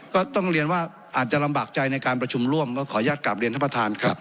ก็ต้องเรียนว่าอาจจะลำบากใจในการประชุมร่วมก็ขออนุญาตกลับเรียนท่านประธานครับ